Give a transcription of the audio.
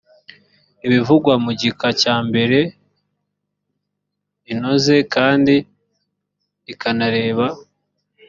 ibivugwa mu gika cya mbere inoze kandi ikanareba